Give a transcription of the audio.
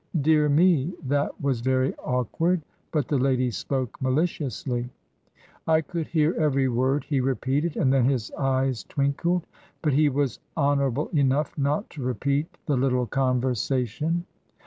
"Dear me, that was very awkward!" But the lady spoke maliciously. "I could hear every word," he repeated, and then his eyes twinkled; but he was honourable enough not to repeat the little conversation.